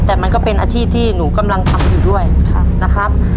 แต่มันก็เป็นอาชีพที่หนูกำลังทำอยู่ด้วยนะครับ